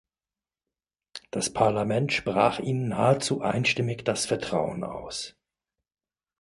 Das Parlament sprach Ihnen nahezu einstimmig das Vertrauen aus.